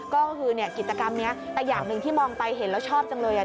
ก็คือเนี่ยกิจกรรมนี้แต่อย่างหนึ่งที่มองไปเห็นแล้วชอบจังเลยอ่ะ